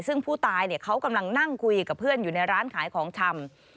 ซึ่งผู้ตายเขากำลังนั่งคุยกับเพื่อนอยู่ในร้านขายของชำ